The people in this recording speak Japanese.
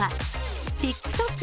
ＴｉｋＴｏｋ